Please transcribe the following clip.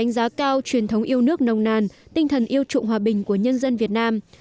đánh giá cao truyền thống yêu nước nồng nàn tinh thần yêu trụng hòa bình của nhân dân việt nam